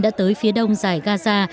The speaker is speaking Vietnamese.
đã tới phía đông giải gaza